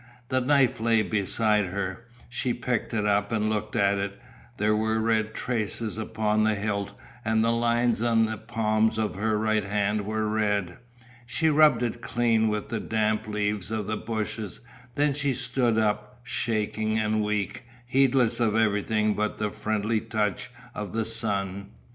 The knife lay beside her; she picked it up and looked at it; there were red traces upon the hilt and the lines in the palm of her right hand were red. She rubbed it clean with the damp leaves of the bushes, then she stood up, shaking and weak, heedless of everything but the friendly touch of the sun.